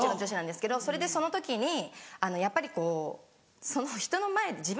女子なんですけどそれでその時にやっぱり人の前で。